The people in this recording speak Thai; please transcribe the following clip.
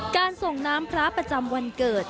ส่งน้ำพระประจำวันเกิด